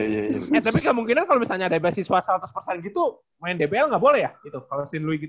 eh tapi kemungkinan kalau misalnya ada beasiswa seratus gitu main dbl gak boleh ya kalau st louis gitu